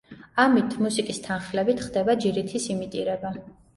ამით, მუსიკის თანხლებით, ხდება ჯირითის იმიტირება.